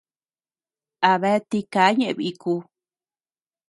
A bea tika ñeʼe biku.